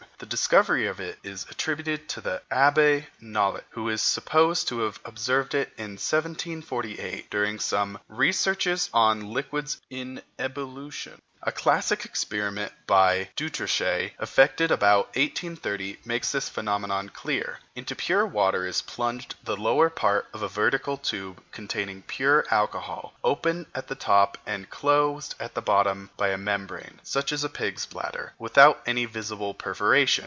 The discovery of it is attributed to the Abbé Nollet, who is supposed to have observed it in 1748, during some "researches on liquids in ebullition." A classic experiment by Dutrochet, effected about 1830, makes this phenomenon clear. Into pure water is plunged the lower part of a vertical tube containing pure alcohol, open at the top and closed at the bottom by a membrane, such as a pig's bladder, without any visible perforation.